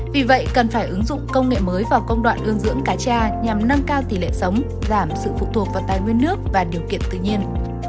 vì vậy cần phải ứng dụng công nghệ mới vào công đoạn ương dưỡng cá cha nhằm nâng cao tỷ lệ sống giảm sự phụ thuộc vào tài nguyên nước và điều kiện tự nhiên